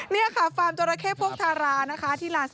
นี่ค่ะฟาร์มจราเข้พวกทารานะคะ